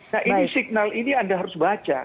nah ini signal ini anda harus baca